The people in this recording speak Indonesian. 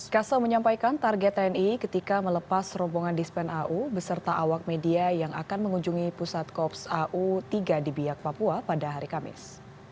kaso menyampaikan target tni ketika melepas rombongan dispen au beserta awak media yang akan mengunjungi pusat kops au tiga di biak papua pada hari kamis